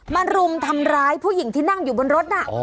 รุมทำร้ายผู้หญิงที่นั่งอยู่บนรถน่ะ